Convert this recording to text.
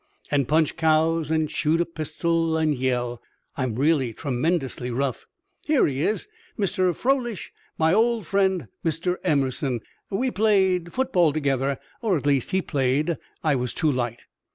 " and punch cows and shoot a pistol and yell. I'm really tremendously rough. Here he is! Mr. Froelich, my old friend Mr. Emerson. We played football together or, at least, he played; I was too light."